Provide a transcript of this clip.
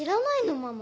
ママ。